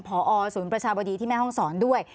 พอศูนย์ประชาบดีที่แม่ห้องศรด้วย